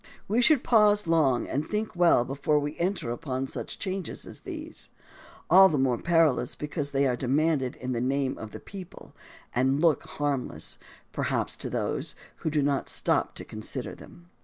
We should pause long and think well before we enter upon such changes as these, all the more perilous because they are demanded in the name of the people and look harmless, perhaps, to those who do not stop to consider them.